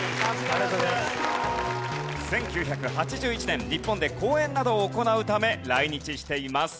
１９８１年日本で講演などを行うため来日しています。